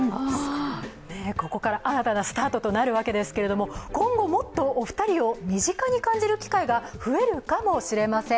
ここから新たなスタートとなるわけですけれども、今後もっとお二人を身近に感じる機会が増えるかもしれません。